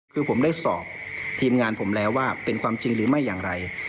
คือผมได้สอบทีมงานผมแล้วว่าเป็นความจริงหรือไม่อย่างไร